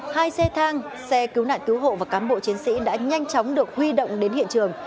hai xe thang xe cứu nạn cứu hộ và cán bộ chiến sĩ đã nhanh chóng được huy động đến hiện trường